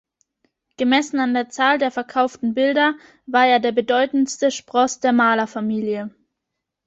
Gemessen an der Zahl der verkauften Bilder war er der bedeutendste Spross der Malerfamilie.